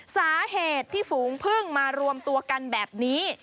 สาเหตุที่ฝูงพึ่งมารวมตัวกันแบบนี้